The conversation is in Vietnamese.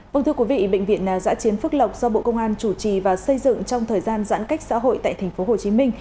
vâng thưa quý vị bệnh viện giã chiến phước lộc do bộ công an chủ trì và xây dựng trong thời gian giãn cách xã hội tại tp hcm